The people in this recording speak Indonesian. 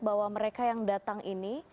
bahwa mereka yang datang ini